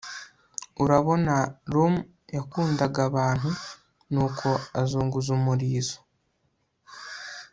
urabona, rum yakundaga abantu, nuko azunguza umurizo